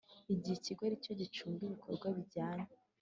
Igihe ikigo ari cyo gicunga ibikorwa bijyanye